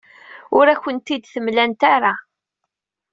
Ur akent-ten-id-mlant ara.